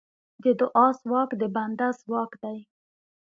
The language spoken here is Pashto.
د دعا ځواک د بنده ځواک دی.